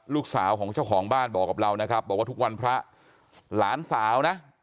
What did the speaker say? ลูกสาวของเจ้าของบ้านบอกกับเรานะครับบอกว่าทุกวันพระหลานสาวนะ